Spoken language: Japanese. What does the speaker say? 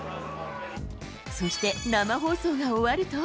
そして生放送が終わると。